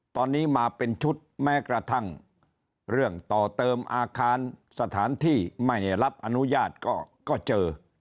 ตอนนี้มาเป็นชุดแม้กระทั่งเรื่องต่อเติมอาคารสถานที่ไม่ได้รับอนุญาตก็เจอ